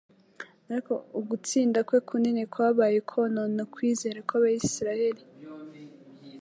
ariko ugutsinda kwe kunini kwabaye ukonona ukwizera kw'Abisiraeli.